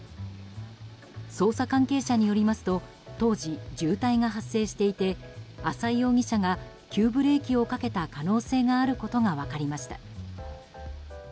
相談件数によりますと当時、渋滞が発生していて浅井容疑者が急ブレーキをかけた可能性があることが分かりました。